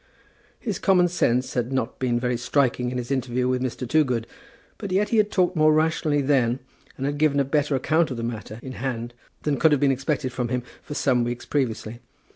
His common sense had not been very striking in his interview with Mr. Toogood, but yet he had talked more rationally then and had given a better account of the matter in hand than could have been expected from him for some weeks previously.